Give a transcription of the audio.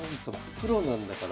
プロなんだから。